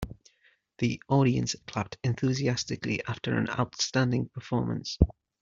The audience clapped enthusiastically after an outstanding performance.